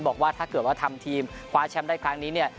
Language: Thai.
บอกว่าถ้าเกิดว่าทำทีมคว้าแชมป์ได้ครั้งนี้เนี่ย